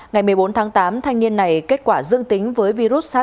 ngày một mươi bốn tháng tám thanh niên này kết quả dương tính với virus sars cov hai